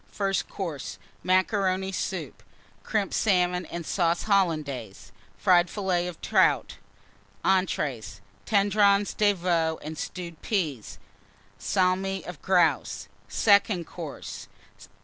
FIRST COURSE. Macaroni Soup. Crimped Salmon and Sauce Hollandaise. Fried Fillets of Trout. ENTREES. Tendrons de Veau and Stewed Peas. Salmi of Grouse. SECOND COURSE.